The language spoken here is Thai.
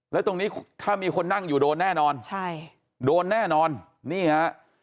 แล้วตรงนี้ถ้ามีคนนั่งอยู่โดนแน่นอนใช่โดนแน่นอนนี่ฮะ